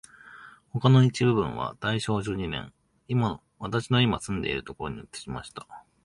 他の一部分は大正十二年、私のいま住んでいるところに移しました